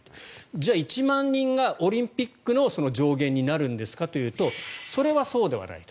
じゃあ、１万人がオリンピックの上限になるんですかというとそれはそうではないと。